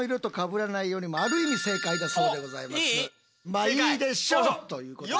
まあいいでしょうということで。